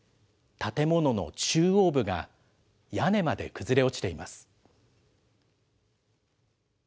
建物の中央部が屋根まで崩れ落ちています。